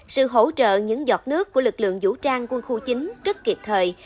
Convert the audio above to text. sự hỗ trợ những giọt nước của lực lượng vũ trang quân khu chín rất kịp thời